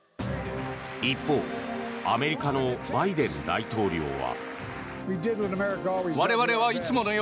一方アメリカのバイデン大統領は。